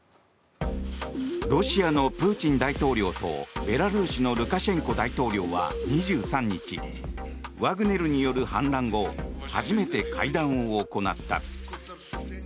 ロシアのプーチン大統領とベラルーシのルカシェンコ大統領は２３日ワグネルによる反乱後初めて会談を行った。